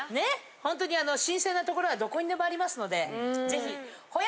ほんとにあの新鮮な所はどこにでもありますので是非。